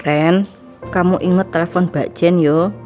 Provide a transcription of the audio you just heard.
ren kamu inget telepon mbak jen yuk